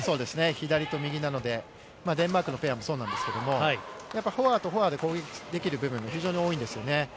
左と右なのでデンマークのペアもそうですが、フォアとフォアで攻撃できる部分が非常に多いんですね。